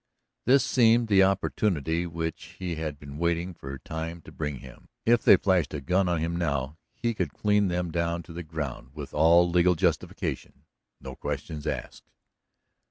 This seemed the opportunity which he had been waiting for time to bring him. If they flashed a gun on him now he could clean them down to the ground with all legal justification, no questions asked.